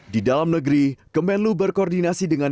di dalam negeri kemenlu berkoordinasi dengan